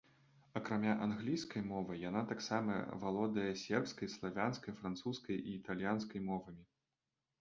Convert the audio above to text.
Акрамя англійскай мовы, яна таксама валодае сербскай, славенскай, французскай і італьянскай мовамі.